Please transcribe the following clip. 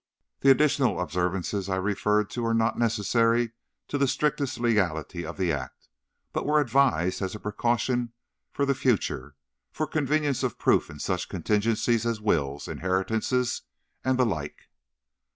The additional observances I referred to are not necessary to the strictest legality of the act, but were advised as a precaution for the future—for convenience of proof in such contingencies as wills, inheritances and the like."